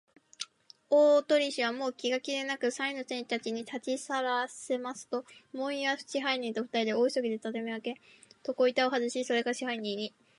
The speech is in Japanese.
大鳥氏は、もう気が気でなく、三人の店員たちをたちさらせますと、門野支配人とふたりで、大急ぎで畳をあけ、床板をはずし、それから、支配人に